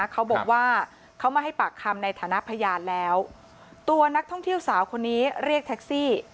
เขาบอกว่าเขามาให้ปากคำในฐานะพยานแล้วตัวนักท่องเที่ยวสาวคนนี้เรียกแท็กซี่